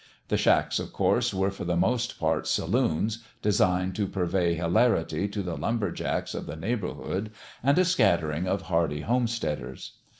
The shacks, of course, were for the most part sa loons designed to purvey hilarity to the lumber jacks of the neighbourhood and a scattering of hardy homesteaders.